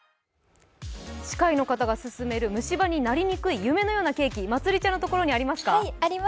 歯科医の方がすすめる虫歯になりにくい夢のようなケーキ、まつりちゃんのところにあります。